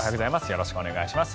よろしくお願いします。